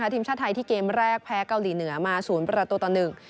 ทีมชาติไทยที่เกมแรกแพ้เกาหลีเหนือมา๐ประตูต่อ๑